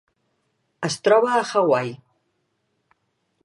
Es troba a Hawaii.